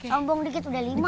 sombong dikit udah lima